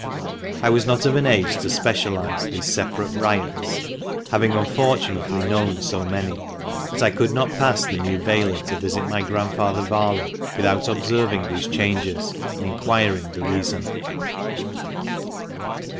I was not of an age to specialize these separate riots, having unfortunately known so many, but I could not pass the New Bailey to visit my Grandfather Varley without observing these changes, and inquiring the reason.